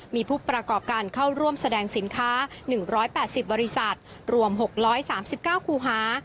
มีผู้ประกอบการเข้าร่วมแสดงสินค้า๑๘๐บริษัทรวม๖๓๙คูหา